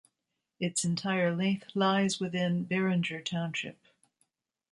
Its entire length lies within Bearinger Township.